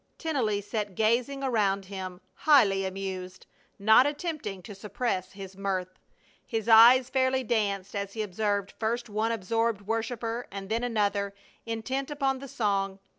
Tennelly sat gazing around him, highly amused, not attempting to suppress his mirth. His eyes fairly danced as he observed first one absorbed worshiper, and then another, intent upon the song.